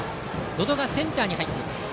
百々がセンターに入っています。